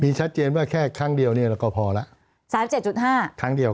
มีชัดเจนว่าแค่ครั้งเดียวนี่ก็พอแล้ว